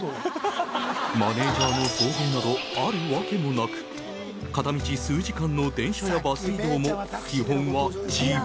マネージャーの送迎などあるわけもなく片道数時間の電車やバス移動も基本は自腹。